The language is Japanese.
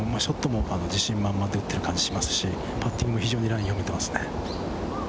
ショットも自信満々で打ってる感じがしますし、パッティングも非常にラインを読めていますね。